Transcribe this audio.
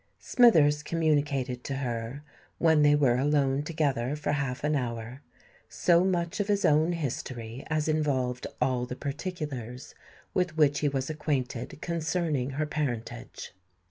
Smithers communicated to her, when they were alone together for half an hour, so much of his own history as involved all the particulars with which he was acquainted concerning her parentage.